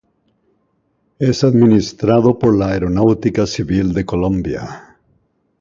Es administrado por la Aeronáutica Civil de Colombia.